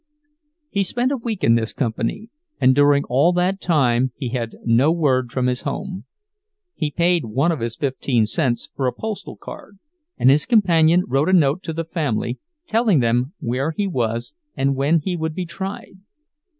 He spent a week in this company, and during all that time he had no word from his home. He paid one of his fifteen cents for a postal card, and his companion wrote a note to the family, telling them where he was and when he would be tried.